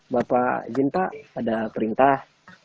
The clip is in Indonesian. bapak izin pak ada perintah